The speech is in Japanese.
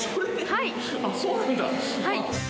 はい。